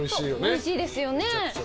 おいしいですよね。